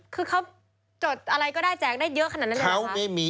คือเขาจดอะไรก็ได้แจกได้เยอะขนาดนั้นเลย